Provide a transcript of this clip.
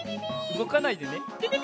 うごかないでね。